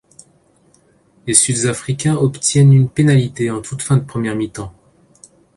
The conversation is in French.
Les Sud-Africains obtiennent une pénalité en toute fin de première mi-temps.